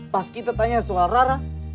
pas kita tanya soal rara